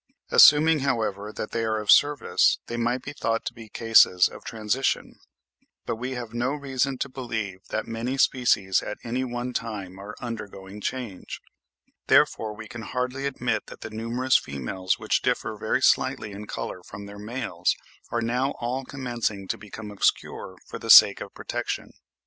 Assuming, however, that they are of service, they might be thought to be cases of transition; but we have no reason to believe that many species at any one time are undergoing change. Therefore we can hardly admit that the numerous females which differ very slightly in colour from their males are now all commencing to become obscure for the sake of protection.